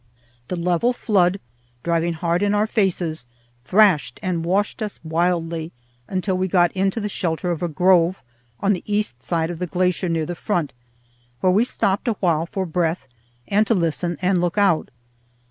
The level flood, driving hard in our faces, thrashed and washed us wildly until we got into the shelter of a grove on the east side of the glacier near the front, where we stopped awhile for breath and to listen and look out.